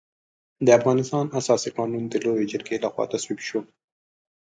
د افغانستان اساسي قانون د لويې جرګې له خوا تصویب شو.